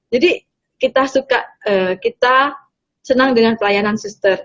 jadi kita suka kita senang dengan pelayanan suster